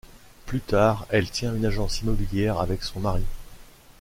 Plus tard, elle tient une agence immobilière avec son mari.